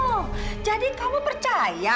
oh jadi kamu percaya